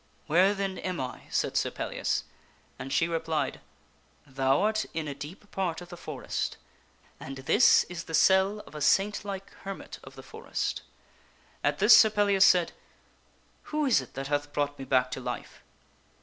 " Where then am I ?" said Sir Pellias. And she replied, " Thou art in a deep part of the forest, and this is the cell of a saint like hermit of the forest." At this Sir Pellias said, " Who is it that hath brought me back to life